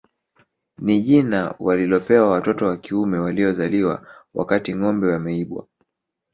Ni jina walilopewa watoto wa kiume waliozaliwa wakati ngombe wameibwa